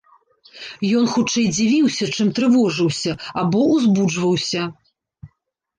Ён хутчэй дзівіўся, чым трывожыўся, або ўзбуджваўся.